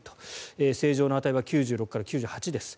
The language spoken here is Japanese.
正常の値は９６から９８です。